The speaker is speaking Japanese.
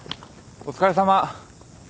お疲れさま。